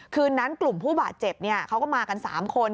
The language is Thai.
คืนนั้นกลุ่มผู้บาดเจ็บเขาก็มากัน๓คน